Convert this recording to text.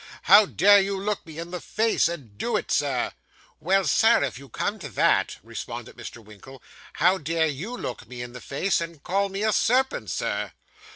How dare you look me in the face and do it, sir?' 'Well, Sir, if you come to that,' responded Mr. Winkle, 'how dare you look me in the face, and call me a serpent, sir?